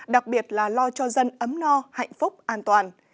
đặc biệt là lo cho dân ấm no hạnh phúc an toàn